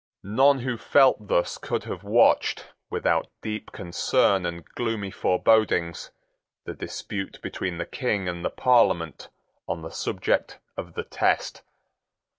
None who felt thus could have watched, without deep concern and gloomy forebodings, the dispute between the King and the Parliament on the subject of the test.